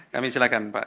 kami silakan pak